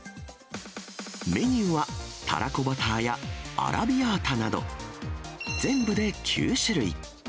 メニューは、たらこバターやアラビアータなど、全部で９種類。